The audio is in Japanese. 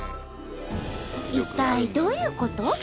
一体どういうこと？